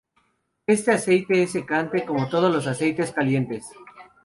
Este aceite es secante como todos los aceites calientes.